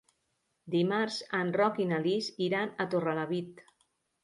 Dimarts en Roc i na Lis iran a Torrelavit.